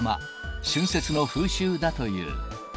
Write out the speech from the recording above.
春節の風習だという。